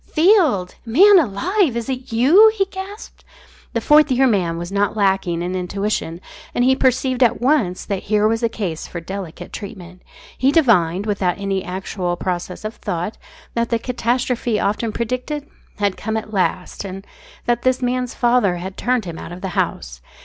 "Field! Man alive! Is it you?" he gasped. The Fourth Year Man was not lacking in intuition, and he perceived at once that here was a case for delicate treatment. He divined, without any actual process of thought, that the catastrophe often predicted had come at last, and that this man's father had turned him out of the house.